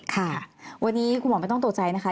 ค่ะวันนี้คุณหมอไม่ต้องตกใจนะคะ